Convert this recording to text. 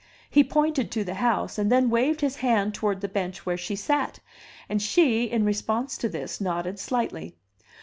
He pointed to the house, and then waved his hand toward the bench where she sat; and she, in response to this, nodded slightly.